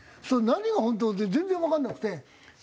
何が本当って全然わかんなくて。